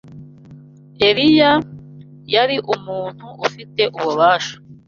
Eliya, yari umuntu ufite ububasha